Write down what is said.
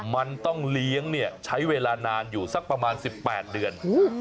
มันต้องเลี้ยงเนี่ยใช้เวลานานอยู่สักประมาณ๑๘เดือน